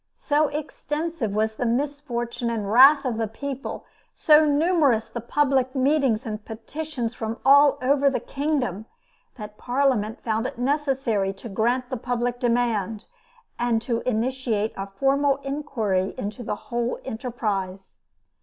So extensive was the misfortune and the wrath of the people, so numerous the public meetings and petitions from all over the kingdom, that Parliament found it necessary to grant the public demand, and to initiate a formal inquiry into the whole enterprise.